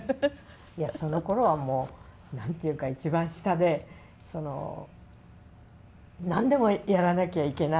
いやそのころはもう何て言うか一番下でその何でもやらなきゃいけないアシスタントでしたからね。